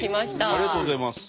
ありがとうございます。